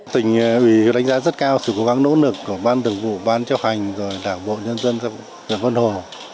tình vì đánh giá rất cao sự cố gắng nỗ lực của ban thường vụ ban châu hành đảng bộ nhân dân đảng quân hồ